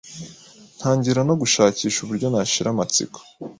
ntangira no gushakisha uburyo nashira amatsiko.